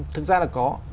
thực ra là có